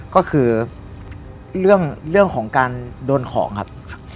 ก็คือเรื่องของการโดนของครับ